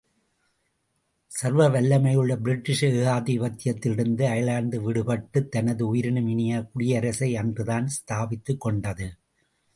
சர்வ வல்லமையுள்ள பிரிட்டிஷ் ஏகாதிபத்தியத்திலிருந்து அயர்லாந்து விடுபட்டுத் தனது உயிரினும் இனிய குடியரசை அன்றுதான் ஸ்தாபித்துக் கொண்டது.